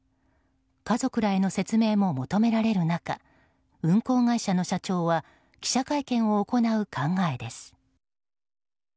家族らへの説明も求められる中運航会社の社長は記者会見を行う考えです。